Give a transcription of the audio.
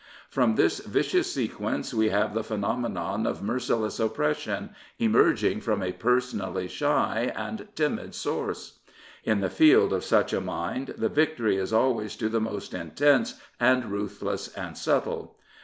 From this vicious sequence we have the phenomenon of merci less oppression emerging from a personally shy and timid source. In the field of such a mind the victory is always to the most intense and ruthless and subtle.